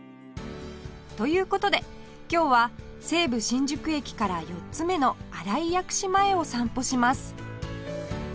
という事で今日は西武新宿駅から４つ目の新井薬師前を散歩します